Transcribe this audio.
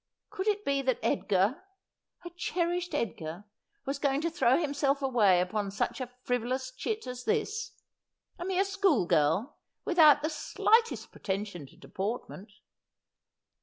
Could it be that Edgar, her cherished Edgar, was going to throw himself away upon such a frivolous chit as this ; a mere school girl, without the slightest pretension to deportment